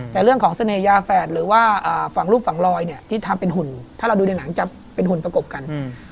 แต่เรื่องของเสน่หยาแฝดหรือว่าฝั่งรูปฝั่งลอยเนี่ยที่ทำเป็นหุ่นถ้าเราดูในหนังจะเป็นหุ่นประกบกัน